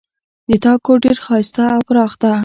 د تا کور ډېر ښایسته او پراخ ده